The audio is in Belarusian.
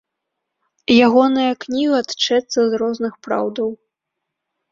Ягоная кніга тчэцца з розных праўдаў.